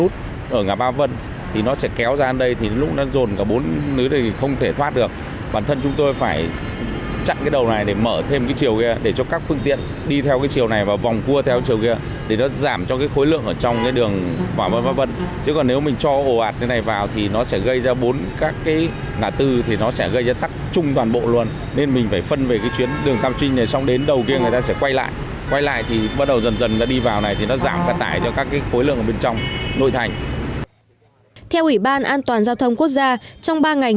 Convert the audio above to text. theo ủy ban an toàn giao thông quốc gia trong ba ngày nghỉ tết dương lịch